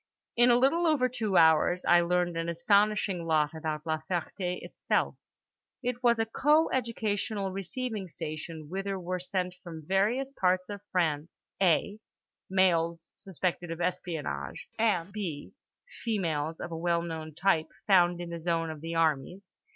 In a little over two hours I learned an astonishing lot about La Ferté itself: it was a co educational receiving station whither were sent from various parts of France (a) males suspected of espionage and (b) females of a well known type found in the zone of the armies.